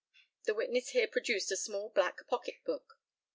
(The witness here produced a small black pocketbook).